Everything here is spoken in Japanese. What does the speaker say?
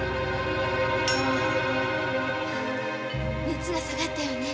熱が下がったようね。